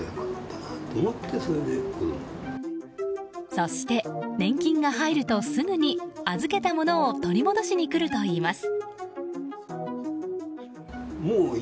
そして年金が入るとすぐに預けたものを取り戻しに来るといいます。